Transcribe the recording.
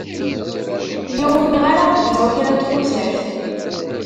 Lliɣ ur nwiɣ ara ad yesεu kra n txutert.